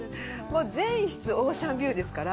全室オーシャンビューですから。